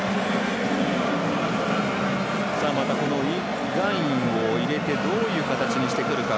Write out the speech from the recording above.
イ・ガンインを入れてどういう形にしてくるか。